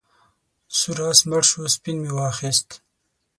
سور آس مړ شو سپین مې واخیست.